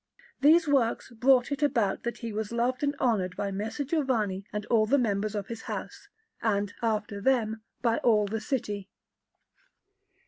These works brought it about that he was loved and honoured by Messer Giovanni and all the members of his house, and, after them, by all the city.